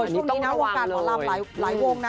ช่วงนี้นะวงการหมอลำหลายวงนะ